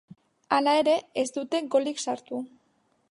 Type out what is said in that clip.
Hala ere ez dute golik sartu.